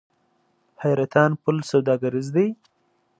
حیرتان پل سوداګریز دی؟